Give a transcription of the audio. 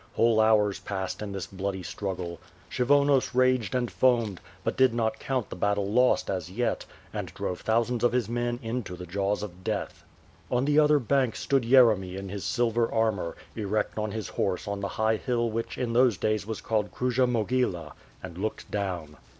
Whole hours passed in this bloody struggle. Kshyvonos raged and foamed, but did not count the battle lost as yet, and drove thousands of his men into the jaws of death. On the other bank stood Yeremy in his silver armor, erect on his horse on the high hill which in those days was called Kruja Mogila — ^and looked down.